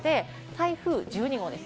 台風１２号です。